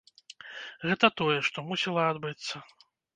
Гэта тое, што мусіла адбыцца.